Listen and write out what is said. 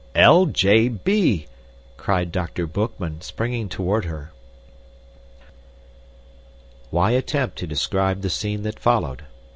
"L.J.B.!" cried Dr. Boekman, springing toward her. Why attempt to describe the scene that followed?